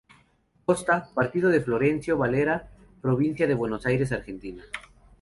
Costa, partido de Florencio Varela, Provincia de Buenos Aires, Argentina.